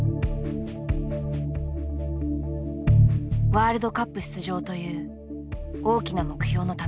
ワールドカップ出場という大きな目標のためだ。